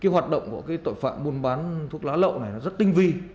hoạt động của tội phạm buôn bán thuốc lá lậu này rất tinh vi